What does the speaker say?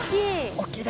大きい！